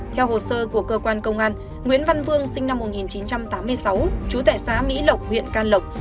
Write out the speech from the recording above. theo hồ sơ của cơ quan công an nguyễn văn vương sinh năm một nghìn chín trăm tám mươi sáu chú tẻ xá mỹ lộc huyện can lộc